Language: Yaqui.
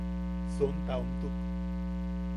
Sontaomtuk.